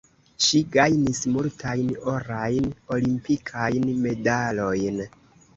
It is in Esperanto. Ŝi gajnis multajn orajn olimpikajn medalojn.